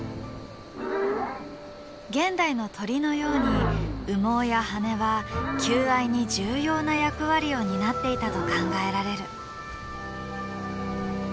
現代の鳥のように羽毛や羽根は求愛に重要な役割を担っていたと考えられる。